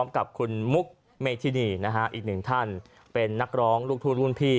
กับคุณมุกเมธินีอีกหนึ่งท่านเป็นนักร้องลูกทุ่งรุ่นพี่